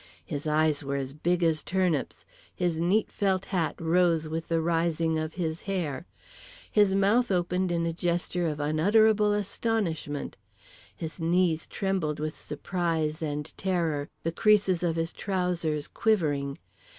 His eyes were as big as turnips. His neat felt hat rose with the rising of his hair. His mouth opened in a gesture of unutterable astonishment. His knees trembled with surprise and terror, the creases of his trousers quivering.